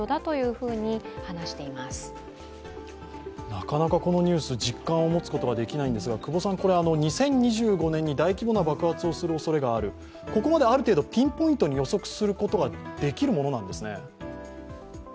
なかなかこのニュース、実感を持つことができないんですが、久保さん、２０２５年に大規模な爆発をするおそれがあるここまである程度ピンポイントに予測することができるものなんですね。